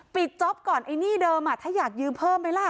จ๊อปก่อนไอ้หนี้เดิมถ้าอยากยืมเพิ่มไหมล่ะ